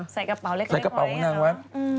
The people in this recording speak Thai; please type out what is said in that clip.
ใส่กระเป๋าเล็กนั้นเนอะ